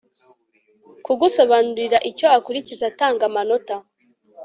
kugusobanurira icyo akurikiza atanga amanota